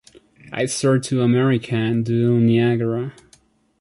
I'd start to America, and do Niagara.